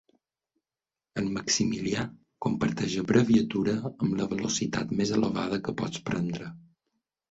En Maximilià comparteix abreviatura amb la velocitat més elevada que pots prendre.